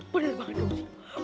bener banget kamu si